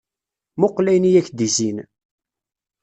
Muqqel ayen i ak-d-izzin.